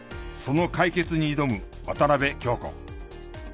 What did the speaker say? その解決に挑む渡邊享子。